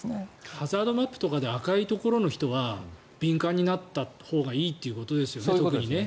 ハザードマップで赤いところの人は敏感になったほうがいいということですね。